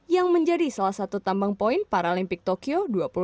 yang menjadi salah satu tambang poin paralimpik tokyo dua ribu dua puluh